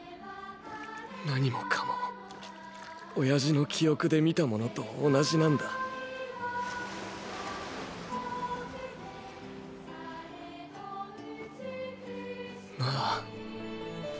何もかも親父の記憶で見たものと同じなんだ。なぁ？